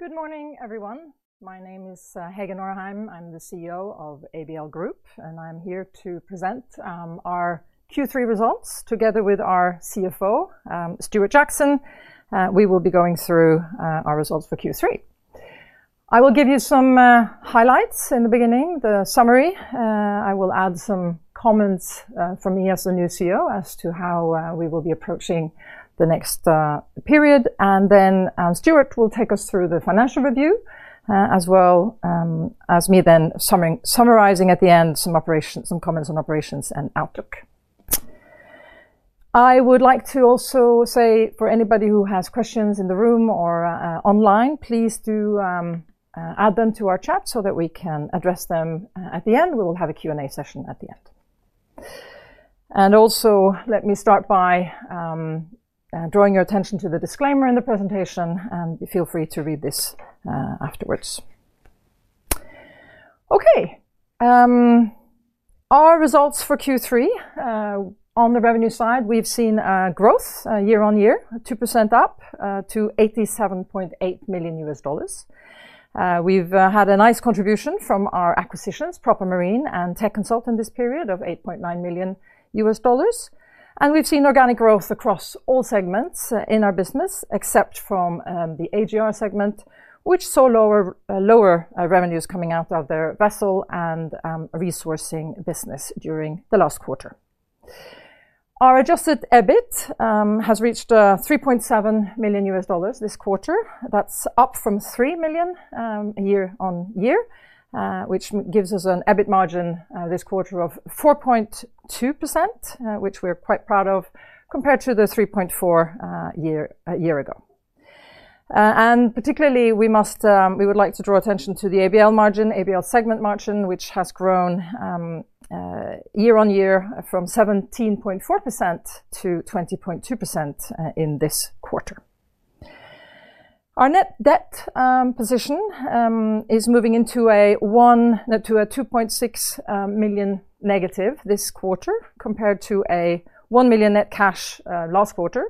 Good morning, everyone. My name is Hege Norheim. I'm the CEO of ABL Group, and I'm here to present our Q3 results together with our CFO, Stuart Jackson. We will be going through our results for Q3. I will give you some highlights in the beginning, the summary. I will add some comments from me as the new CEO as to how we will be approaching the next period. Stuart will take us through the financial review as well as me then summarizing at the end some comments on operations and outlook. I would like to also say for anybody who has questions in the room or online, please do add them to our chat so that we can address them at the end. We will have a Q&A session at the end. Let me start by drawing your attention to the disclaimer in the presentation, and feel free to read this afterwards. Okay, our results for Q3. On the revenue side, we've seen growth year-on-year, 2% up to $87.8 million. We've had a nice contribution from our acquisitions, Proper Marine and Techconsult, in this period of $8.9 million. We've seen organic growth across all segments in our business except from the AGR segment, which saw lower revenues coming out of their vessel and resourcing business during the last quarter. Our adjusted EBIT has reached $3.7 million this quarter. That's up from $3 million year-on-year, which gives us an EBIT margin this quarter of 4.2%, which we are quite proud of compared to the 3.4% a year ago. Particularly, we would like to draw attention to the ABL margin, ABL segment margin, which has grown year-on-year from 17.4%-20.2% in this quarter. Our net debt position is moving into a $2.6 million negative this quarter compared to a $1 million net cash last quarter.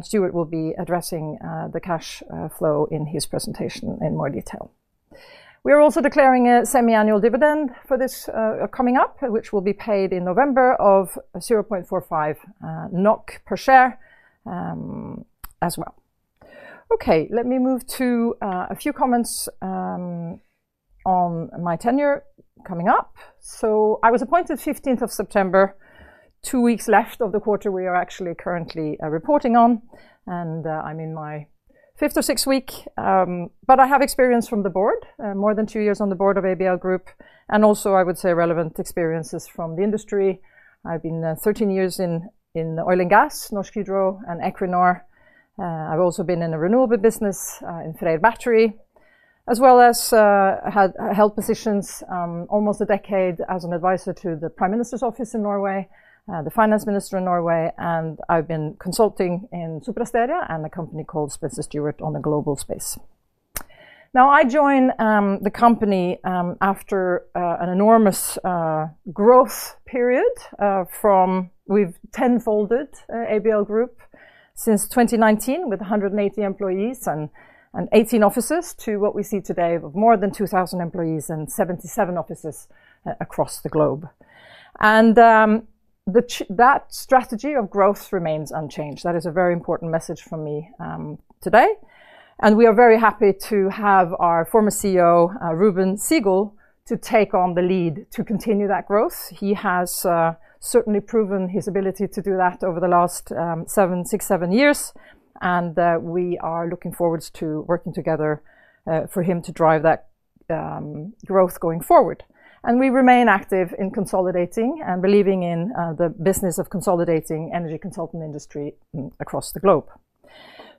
Stuart will be addressing the cash flow in his presentation in more detail. We are also declaring a semiannual dividend for this coming up, which will be paid in November of 0.45 NOK per share as well. Okay, let me move to a few comments on my tenure coming up. I was appointed 15th of September, two weeks left of the quarter we are actually currently reporting on. I'm in my fifth or sixth week. I have experience from the board, more than two years on the board of ABL Group. I would say relevant experiences from the industry. I've been 13 years in oil and gas, Norsk Hydro and Equinor. I've also been in the renewable business in Freyr Battery, as well as held positions almost a decade as an advisor to the Prime Minister's Office in Norway, the Finance Minister in Norway. I've been consulting in Sopra Steria and a company called Spencer Stuart on the global space. I joined the company after an enormous growth period. We've tenfolded ABL Group since 2019 with 180 employees and 18 offices to what we see today of more than 2,000 employees and 77 offices across the globe. That strategy of growth remains unchanged. That is a very important message from me today. We are very happy to have our former CEO, Reuben Segal, to take on the lead to continue that growth. He has certainly proven his ability to do that over the last six, seven years. We are looking forward to working together for him to drive that growth going forward. We remain active in consolidating and believing in the business of consolidating the energy consulting industry across the globe.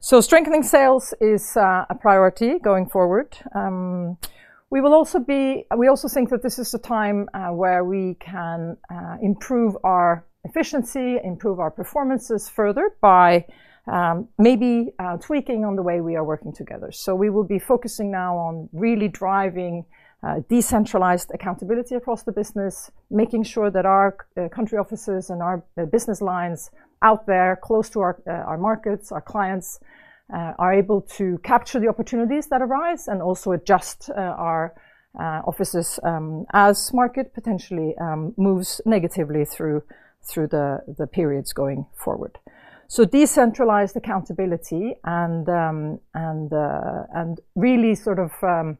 Strengthening sales is a priority going forward. We also think that this is a time where we can improve our efficiency, improve our performances further by maybe tweaking on the way we are working together. We will be focusing now on really driving decentralized accountability across the business, making sure that our country offices and our business lines out there close to our markets, our clients are able to capture the opportunities that arise and also adjust our offices as market potentially moves negatively through the periods going forward. Decentralized accountability and really sort of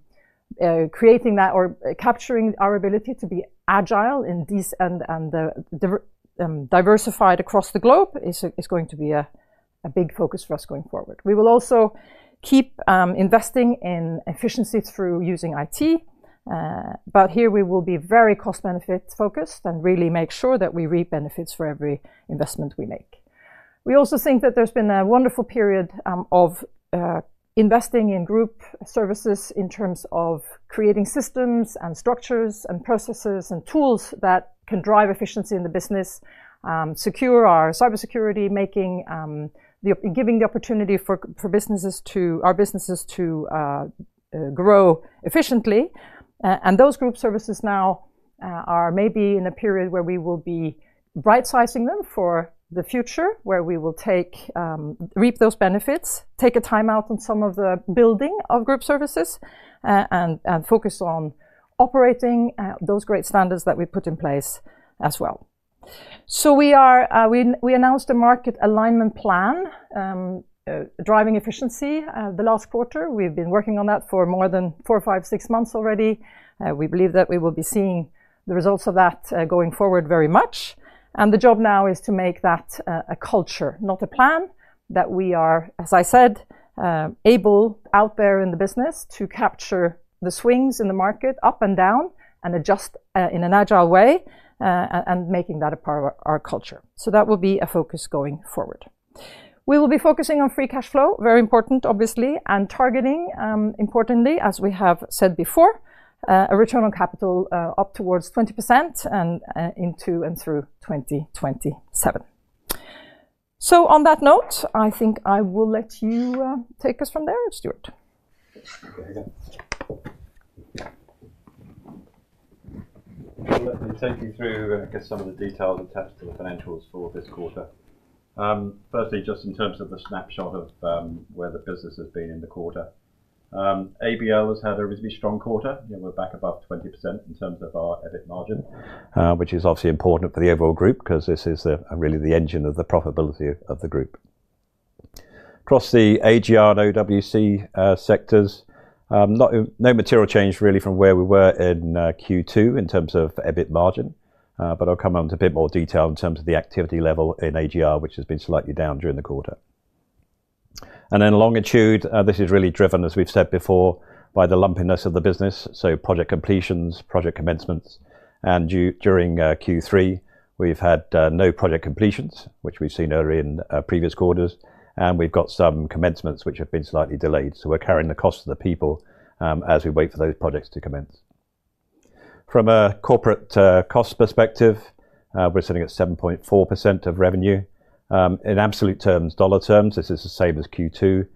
creating that or capturing our ability to be agile and diversified across the globe is going to be a big focus for us going forward. We will also keep investing in efficiency through using IT. Here, we will be very cost-benefit focused and really make sure that we reap benefits for every investment we make. We also think that there's been a wonderful period of investing in group services in terms of creating systems and structures and processes and tools that can drive efficiency in the business, secure our cybersecurity, giving the opportunity for our businesses to grow efficiently. Those group services now are maybe in a period where we will be right-sizing them for the future, where we will reap those benefits, take a timeout on some of the building of group services, and focus on operating those great standards that we put in place as well. We announced a market alignment plan driving efficiency the last quarter. We've been working on that for more than four, five, six months already. We believe that we will be seeing the results of that going forward very much. The job now is to make that a culture, not a plan, that we are, as I said, able out there in the business to capture the swings in the market up and down and adjust in an agile way, making that a part of our culture. That will be a focus going forward. We will be focusing on free cash flow, very important, obviously, and targeting, importantly, as we have said before, a return on capital up towards 20% and into and through 2027. On that note, I think I will let you take us from there, Stuart. Let me take you through, I guess, some of the details attached to the financials for this quarter. Firstly, just in terms of the snapshot of where the business has been in the quarter, ABL has had a reasonably strong quarter. We're back above 20% in terms of our EBIT margin, which is obviously important for the overall group because this is really the engine of the profitability of the group. Across the AGR and OWC sectors, no material change really from where we were in Q2 in terms of EBIT margin. I'll come on to a bit more detail in terms of the activity level in AGR, which has been slightly down during the quarter. Longitude, this is really driven, as we've said before, by the lumpiness of the business. Project completions, project commencements. During Q3, we've had no project completions, which we've seen earlier in previous quarters. We've got some commencements which have been slightly delayed. We're carrying the cost of the people as we wait for those projects to commence. From a corporate cost perspective, we're sitting at 7.4% of revenue. In absolute dollar terms, this is the same as Q2,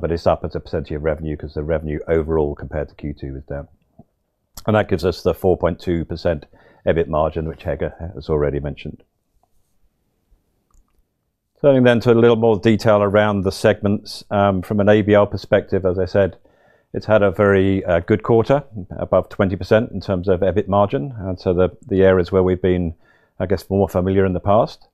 but it's up as a percentage of revenue because the revenue overall compared to Q2 is down. That gives us the 4.2% EBIT margin, which Hege has already mentioned. Turning then to a little more detail around the segments. From an ABL perspective, as I said, it's had a very good quarter, above 20% in terms of EBIT margin. The areas where we've been, I guess, more familiar in the past.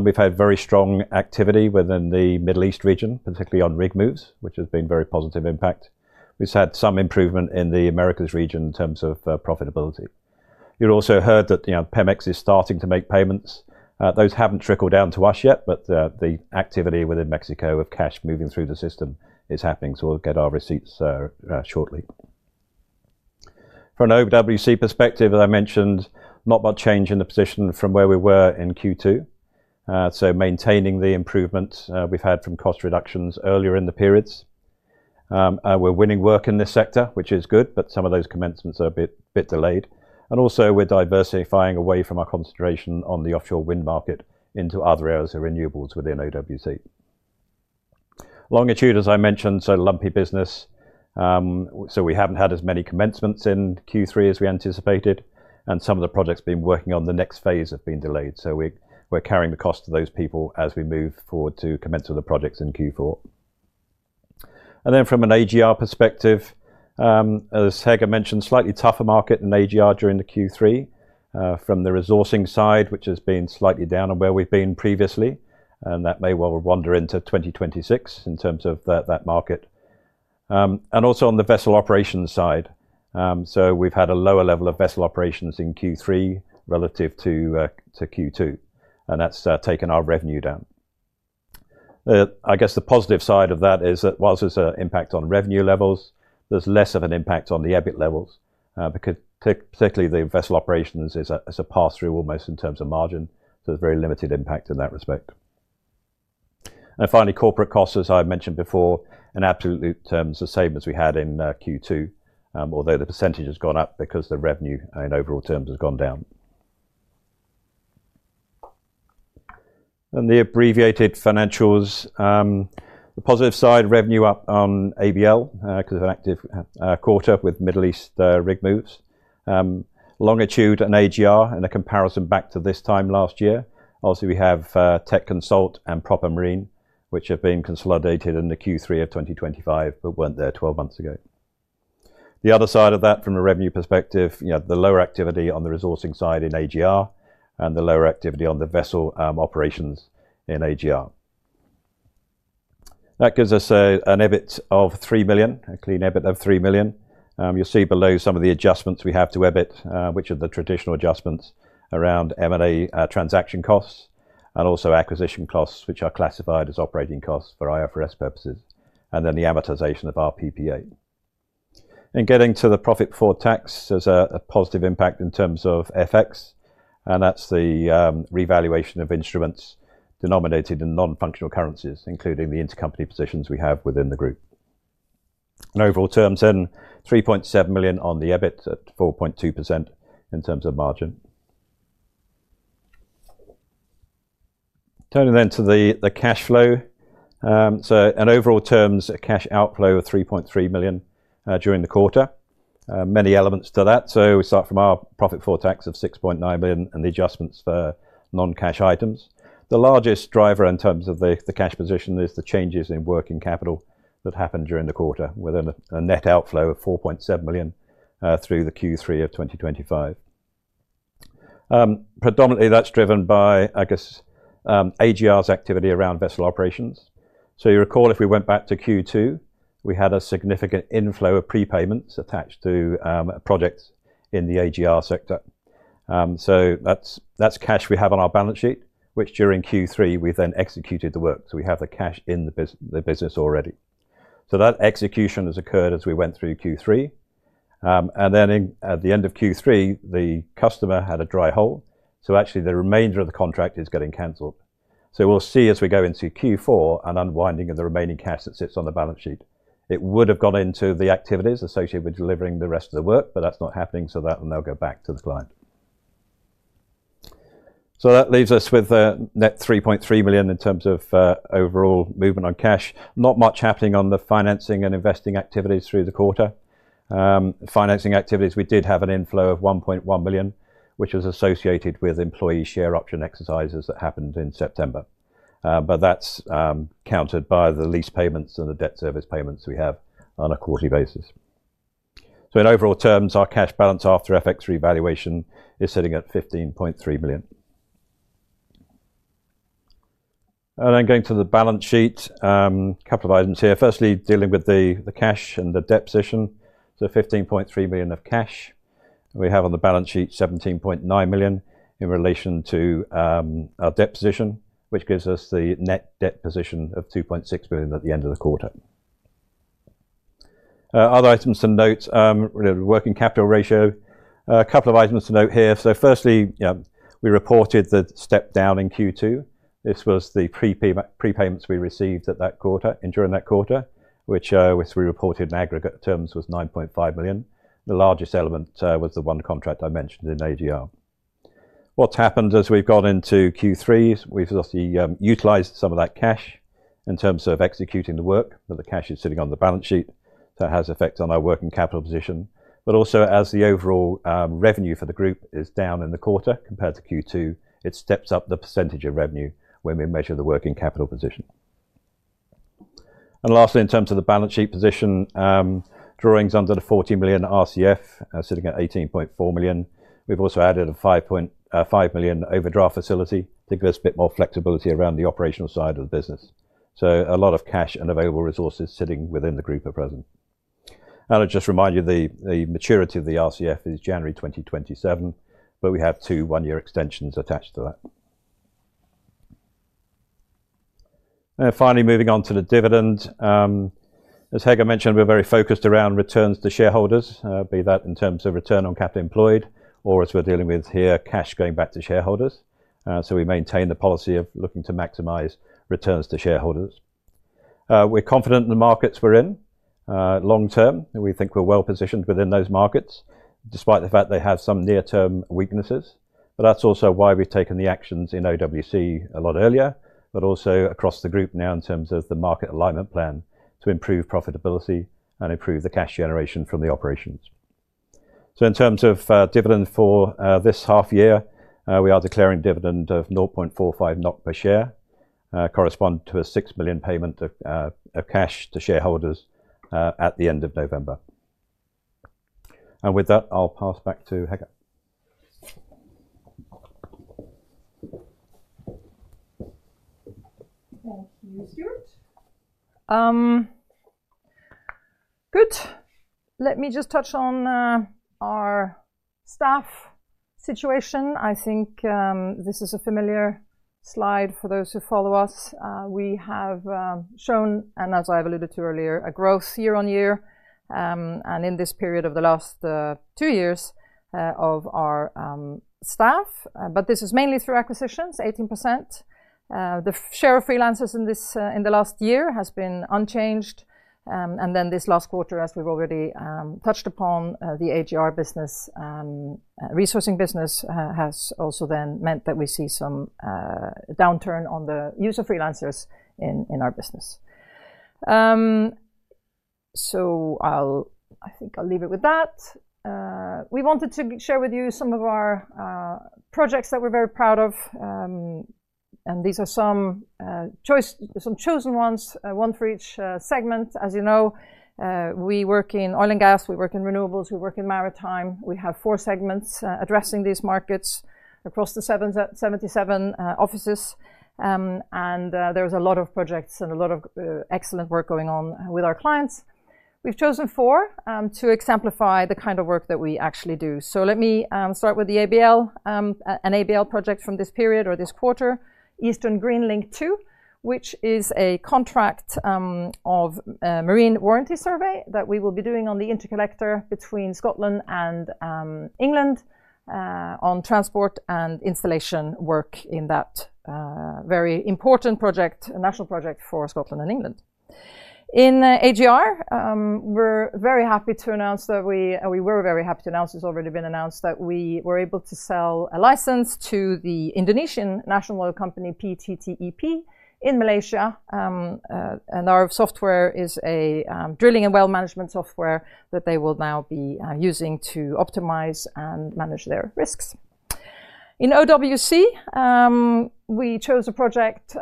We've had very strong activity within the Middle East region, particularly on rig moves, which has been a very positive impact. We've had some improvement in the Americas region in terms of profitability. You'd also heard that Pemex is starting to make payments. Those haven't trickled down to us yet. The activity within Mexico of cash moving through the system is happening. We'll get our receipts shortly. From an OWC perspective, as I mentioned, not much change in the position from where we were in Q2, maintaining the improvement we've had from cost reductions earlier in the periods. We're winning work in this sector, which is good. Some of those commencements are a bit delayed. We're also diversifying away from our concentration on the offshore wind market into other areas of renewables within OWC. Longitude, as I mentioned, is a lumpy business. We haven't had as many commencements in Q3 as we anticipated. Some of the projects we've been working on, the next phase have been delayed. We're carrying the cost of those people as we move forward to commence with the projects in Q4. From an AGR perspective, as Hege mentioned, slightly tougher market in AGR during Q3 from the resourcing side, which has been slightly down on where we've been previously. That may well wander into 2026 in terms of that market. Also, on the vessel operations side, we've had a lower level of vessel operations in Q3 relative to Q2. That's taken our revenue down. The positive side of that is that whilst there's an impact on revenue levels, there's less of an impact on the EBIT levels, particularly the vessel operations as a pass-through almost in terms of margin. There's very limited impact in that respect. Finally, corporate costs, as I mentioned before, in absolute terms, the same as we had in Q2, although the percentage has gone up because the revenue in overall terms has gone down. The abbreviated financials, the positive side, revenue up on ABL because of an active quarter with Middle East rig moves. Longitude, an AGR, and a comparison back to this time last year. Obviously, we have Techconsult and Proper Marine, which have been consolidated in Q3 of 2025 but weren't there 12 months ago. The other side of that from a revenue perspective, the lower activity on the resourcing side in AGR and the lower activity on the vessel operations in AGR. That gives us an EBIT of $3 million, a clean EBIT of $3 million. You'll see below some of the adjustments we have to EBIT, which are the traditional adjustments around M&A transaction costs and also acquisition costs, which are classified as operating costs for IFRS purposes, and then the amortization of RPPA. Getting to the profit before tax, there's a positive impact in terms of FX. That's the revaluation of instruments denominated in non-functional currencies, including the intercompany positions we have within the group. In overall terms, then $3.7 million on the EBIT at 4.2% in terms of margin. Turning then to the cash flow. In overall terms, a cash outflow of $3.3 million during the quarter, many elements to that. We start from our profit before tax of $6.9 million and the adjustments for non-cash items. The largest driver in terms of the cash position is the changes in working capital that happened during the quarter with a net outflow of $4.7 million through the Q3 of 2025. Predominantly, that's driven by AGR's activity around vessel operations. If we went back to Q2, we had a significant inflow of prepayments attached to projects in the AGR sector. That's cash we have on our balance sheet, which during Q3, we then executed the work. We have the cash in the business already. That execution has occurred as we went through Q3. At the end of Q3, the customer had a dry hole. The remainder of the contract is getting canceled. We will see as we go into Q4 an unwinding of the remaining cash that sits on the balance sheet. It would have gone into the activities associated with delivering the rest of the work, but that's not happening. That will now go back to the client. That leaves us with a net $3.3 million in terms of overall movement on cash. Not much happening on the financing and investing activities through the quarter. Financing activities, we did have an inflow of $1.1 million, which was associated with employee share option exercises that happened in September. That's counted by the lease payments and the debt service payments we have on a quarterly basis. In overall terms, our cash balance after FX revaluation is sitting at $15.3 million. Going to the balance sheet, a couple of items here. Firstly, dealing with the cash and the debt position. $15.3 million of cash. We have on the balance sheet $17.9 million in relation to our debt position, which gives us the net debt position of $2.6 million at the end of the quarter. Other items to note, working capital ratio, a couple of items to note here. Firstly, we reported the step down in Q2. This was the prepayments we received in during that quarter, which we reported in aggregate terms was $9.5 million. The largest element was the one contract I mentioned in AGR. What's happened as we've gone into Q3, we've obviously utilized some of that cash in terms of executing the work. The cash is sitting on the balance sheet. It has effects on our working capital position. Also, as the overall revenue for the group is down in the quarter compared to Q2, it steps up the percentage of revenue when we measure the working capital position. Lastly, in terms of the balance sheet position, drawings under the $14 million revolving credit facility sitting at $18.4 million. We've also added a $5.5 million overdraft facility to give us a bit more flexibility around the operational side of the business. A lot of cash and available resources are sitting within the group at present. I'll just remind you the maturity of the revolving credit facility is January 2027. We have two one-year extensions attached to that. Finally, moving on to the dividend. As Hege mentioned, we're very focused around returns to shareholders, be that in terms of return on capital employed or as we're dealing with here, cash going back to shareholders. We maintain the policy of looking to maximize returns to shareholders. We're confident in the markets we're in long term, and we think we're well positioned within those markets despite the fact they have some near-term weaknesses. That's also why we've taken the actions in OWC a lot earlier, but also across the group now in terms of the market alignment plan to improve profitability and improve the cash generation from the operations. In terms of dividend for this half year, we are declaring a dividend of 0.45 NOK per share, corresponding to a $6 million payment of cash to shareholders at the end of November. With that, I'll pass back to Hege. Thank you, Stuart. Good. Let me just touch on our staff situation. I think this is a familiar slide for those who follow us. We have shown, and as I've alluded to earlier, a growth year-on-year. In this period of the last two years of our staff, but this is mainly through acquisitions, 18%. The share of freelancers in the last year has been unchanged. In this last quarter, as we've already touched upon, the AGR business, resourcing business has also then meant that we see some downturn on the use of freelancers in our business. I think I'll leave it with that. We wanted to share with you some of our projects that we're very proud of. These are some chosen ones, one for each segment. As you know, we work in oil and gas. We work in renewables. We work in maritime. We have four segments addressing these markets across the 77 offices. There's a lot of projects and a lot of excellent work going on with our clients. We've chosen four to exemplify the kind of work that we actually do. Let me start with an ABL project from this period or this quarter, Eastern Green Link 2, which is a contract of marine warranty survey that we will be doing on the interconnector between Scotland and England on transport and installation work in that very important project, a national project for Scotland and England. In AGR, we're very happy to announce that it's already been announced that we were able to sell a license to the Indonesian national oil company, PTTEP, in Malaysia. Our software is a drilling and well management software that they will now be using to optimize and manage their risks. In OWC, we chose a project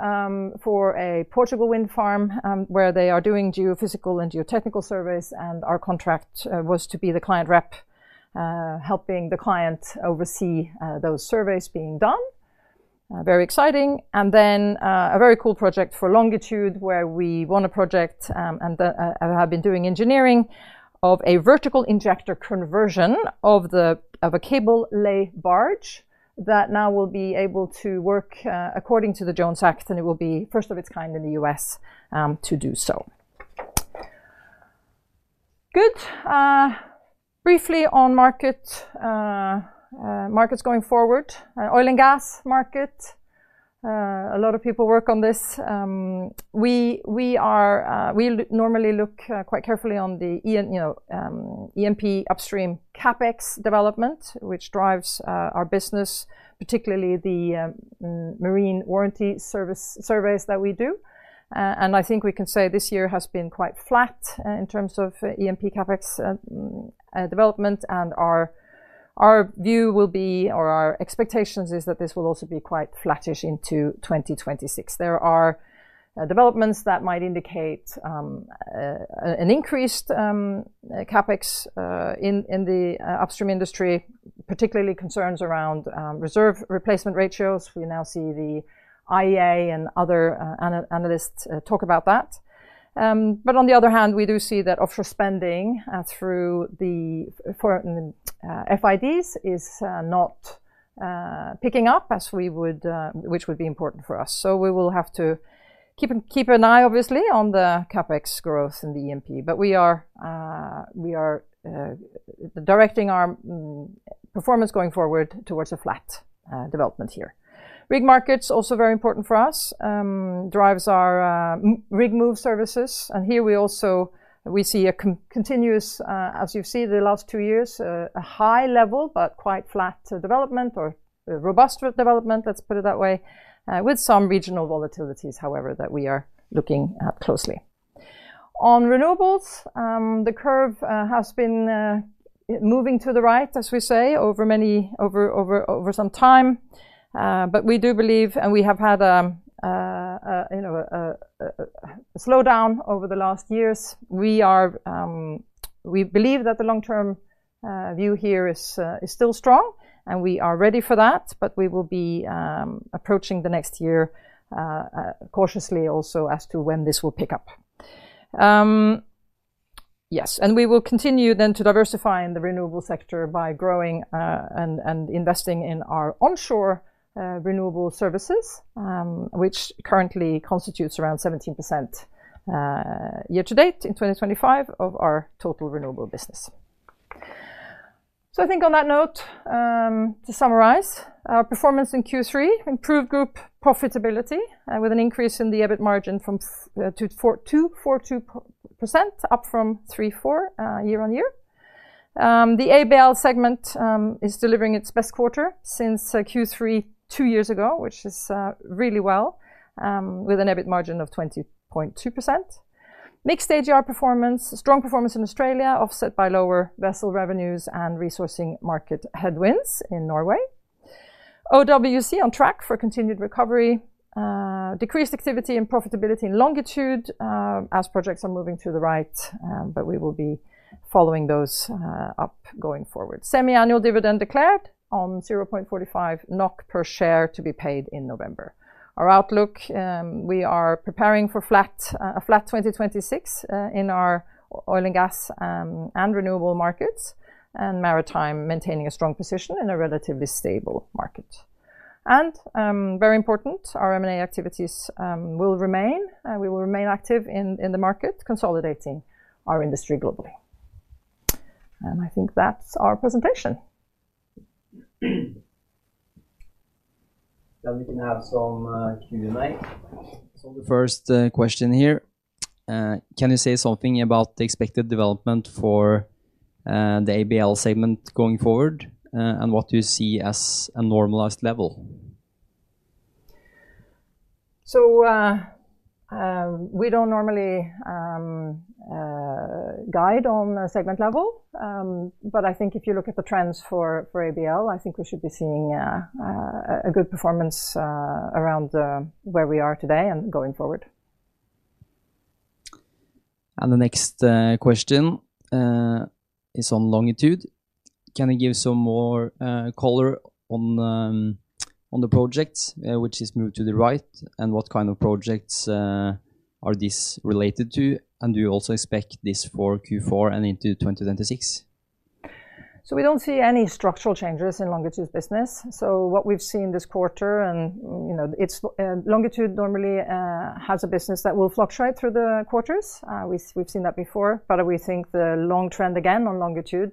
for a Portugal wind farm where they are doing geophysical and geotechnical surveys. Our contract was to be the client rep, helping the client oversee those surveys being done. Very exciting. A very cool project for Longitude, where we won a project and have been doing engineering of a vertical injector conversion of a cable lay barge that now will be able to work according to the Jones Act. It will be first of its kind in the U.S. to do so. Briefly on markets going forward, oil and gas market, a lot of people work on this. We normally look quite carefully on the E&P upstream CapEx development, which drives our business, particularly the marine warranty surveys that we do. I think we can say this year has been quite flat in terms of E&P CapEx development. Our view will be, or our expectations is that this will also be quite flattish into 2026. There are developments that might indicate an increased CapEx in the upstream industry, particularly concerns around reserve replacement ratios. We now see the IEA and other analysts talk about that. On the other hand, we do see that offshore spending through the FIDs is not picking up, which would be important for us. We will have to keep an eye, obviously, on the CapEx growth in the E&P. We are directing our performance going forward towards a flat development here. Rig markets, also very important for us, drives our rig move services. Here, we also see a continuous, as you've seen in the last two years, a high level, but quite flat development or robust development, let's put it that way, with some regional volatilities, however, that we are looking at closely. On renewables, the curve has been moving to the right, as we say, over some time. We do believe, and we have had a slowdown over the last years, we believe that the long-term view here is still strong. We are ready for that. We will be approaching the next year cautiously also as to when this will pick up. We will continue then to diversify in the renewable sector by growing and investing in our onshore renewable services, which currently constitutes around 17% year to date in 2025 of our total renewable business. I think on that note, to summarize, our performance in Q3, improved group profitability with an increase in the EBIT margin from 4.2%, up from 3.4% year-on-year. The ABL segment is delivering its best quarter since Q3 two years ago, which is really well, with an EBIT margin of 20.2%. Mixed AGR performance, strong performance in Australia, offset by lower vessel revenues and resourcing market headwinds in Norway. OWC on track for continued recovery, decreased activity and profitability in Longitude as projects are moving to the right. We will be following those up going forward. Semiannual dividend declared on 0.45 NOK per share to be paid in November. Our outlook, we are preparing for a flat 2026 in our oil and gas and renewable markets and maritime, maintaining a strong position in a relatively stable market. Very important, our M&A activities will remain. We will remain active in the market, consolidating our industry globally. I think that's our presentation. We can have some Q&A. The first question here, can you say something about the expected development for the ABL segment going forward and what you see as a normalized level? We don't normally guide on segment level, but I think if you look at the trends for ABL, I think we should be seeing a good performance around where we are today and going forward. The next question is on Longitude. Can you give some more color on the projects, which is moved to the right, and what kind of projects are these related to? Do you also expect this for Q4 and into 2026? We don't see any structural changes in Longitude's business. What we've seen this quarter, and Longitude normally has a business that will fluctuate through the quarters. We've seen that before. We think the long trend again on Longitude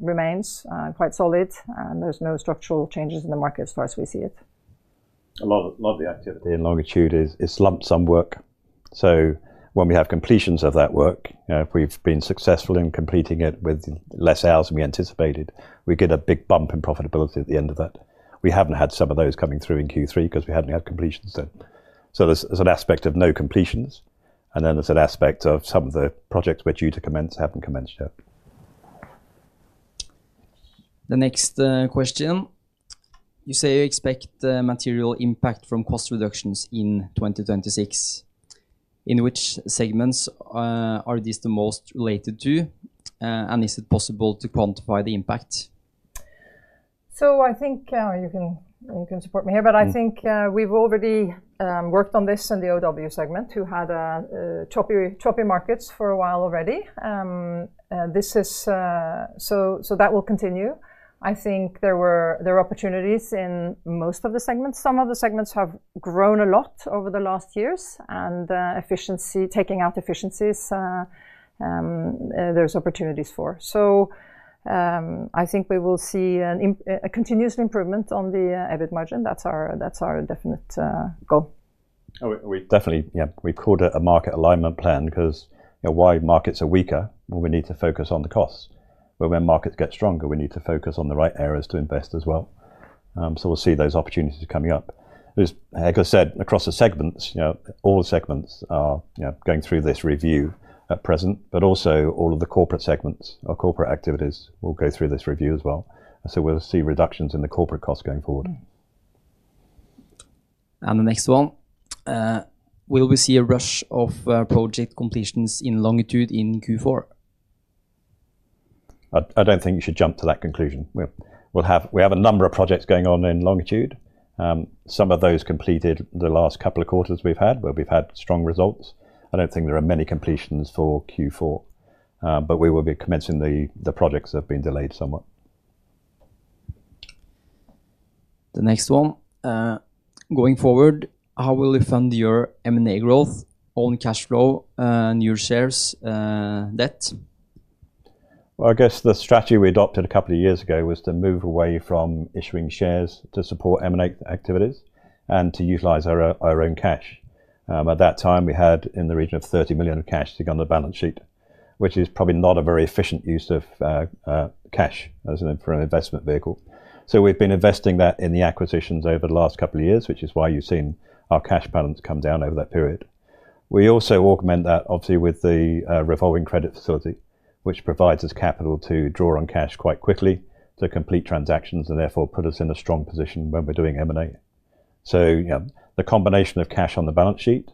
remains quite solid, and there's no structural changes in the market as far as we see it. A lot of the activity in Longitude is slumped some work. When we have completions of that work, if we've been successful in completing it with less hours than we anticipated, we get a big bump in profitability at the end of that. We haven't had some of those coming through in Q3 because we hadn't had completions then. There's an aspect of no completions, and there's an aspect of some of the projects we're due to commence haven't commenced yet. The next question, you say you expect material impact from cost reductions in 2026. In which segments are these the most related to? Is it possible to quantify the impact? I think you can support me here. I think we've already worked on this in the OWC segment, which had choppy markets for a while already. That will continue. I think there are opportunities in most of the segments. Some of the segments have grown a lot over the last years, and taking out efficiencies, there's opportunities for that. I think we will see a continuous improvement on the EBIT margin. That's our definite goal. Yeah, we've called it a market alignment plan because when markets are weaker, we need to focus on the costs. When markets get stronger, we need to focus on the right areas to invest as well. We'll see those opportunities coming up. As I said, across the segments, all segments are going through this review at present. All of the corporate segments or corporate activities will go through this review as well. We'll see reductions in the corporate costs going forward. Will we see a rush of project completions in Longitude in Q4? I don't think you should jump to that conclusion. We have a number of projects going on in Longitude. Some of those completed the last couple of quarters we've had, where we've had strong results. I don't think there are many completions for Q4, but we will be commencing the projects that have been delayed somewhat. The next one, going forward, how will you fund your M&A growth on cash flow and your shares, debt? The strategy we adopted a couple of years ago was to move away from issuing shares to support M&A activities and to utilize our own cash. At that time, we had in the region of $30 million of cash sitting on the balance sheet, which is probably not a very efficient use of cash for an investment vehicle. We've been investing that in the acquisitions over the last couple of years, which is why you've seen our cash balance come down over that period. We also augment that, obviously, with the revolving credit facility, which provides us capital to draw on cash quite quickly to complete transactions and therefore put us in a strong position when we're doing M&A. The combination of cash on the balance sheet,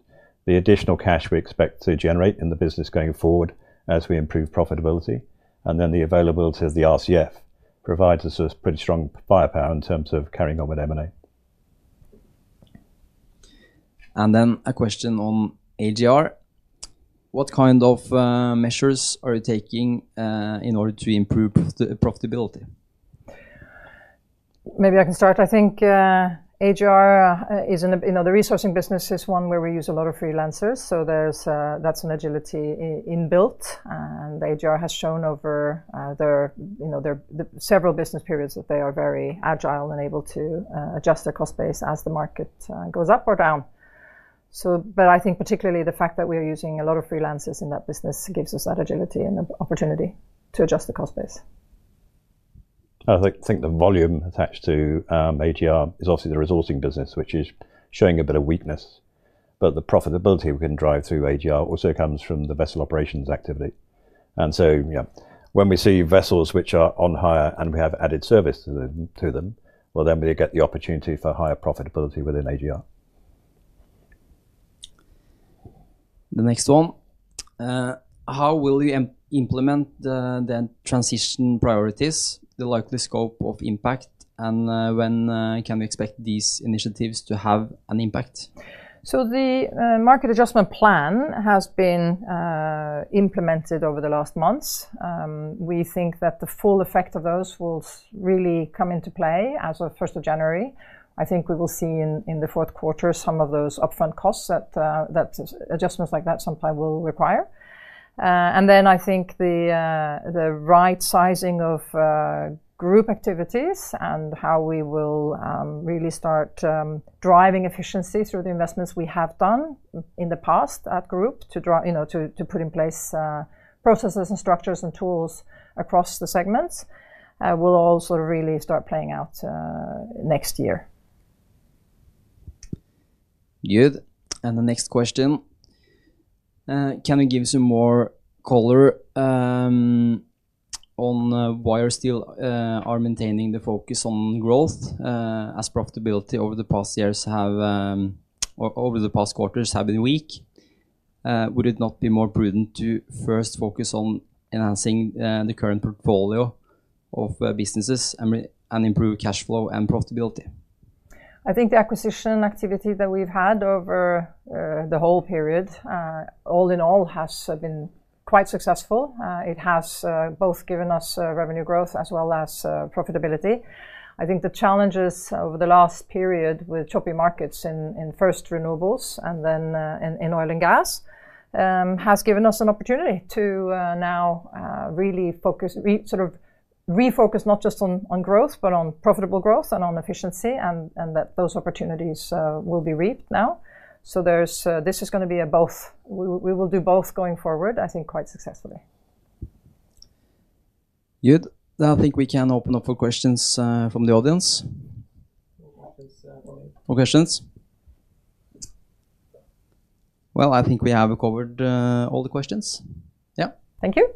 the additional cash we expect to generate in the business going forward as we improve profitability, and then the availability of the revolving credit facility provides us a pretty strong firepower in terms of carrying on with M&A. A question on AGR. What kind of measures are you taking in order to improve profitability? Maybe I can start. I think AGR, the resourcing business, is one where we use a lot of freelancers. That’s an agility inbuilt. AGR has shown over several business periods that they are very agile and able to adjust their cost base as the market goes up or down. I think particularly the fact that we are using a lot of freelancers in that business gives us that agility and opportunity to adjust the cost base. I think the volume attached to AGR is obviously the resourcing business, which is showing a bit of weakness. The profitability we can drive through AGR also comes from the vessel operations activity. When we see vessels which are on hire and we have added service to them, we get the opportunity for higher profitability within AGR. The next one, how will you implement the transition priorities, the likely scope of impact, and when can we expect these initiatives to have an impact? The market adjustment plan has been implemented over the last month. We think that the full effect of those will really come into play as of 1st of January. I think we will see in the fourth quarter some of those upfront costs that adjustments like that sometimes will require. I think the right sizing of group activities and how we will really start driving efficiency through the investments we have done in the past at Group to put in place processes and structures and tools across the segments will all really start playing out next year. Good. The next question, can you give us some more color on why you still are maintaining the focus on growth as profitability over the past quarters has been weak? Would it not be more prudent to first focus on enhancing the current portfolio of businesses and improve cash flow and profitability? I think the acquisition activity that we've had over the whole period, all in all, has been quite successful. It has both given us revenue growth as well as profitability. I think the challenges over the last period with choppy markets in first renewables and then in oil and gas have given us an opportunity to now really focus, sort of refocus not just on growth, but on profitable growth and on efficiency, and that those opportunities will be reaped now. This is going to be a both. We will do both going forward, I think, quite successfully. Good. I think we can open up for questions from the audience. More questions? I think we have covered all the questions. Yeah. Thank you.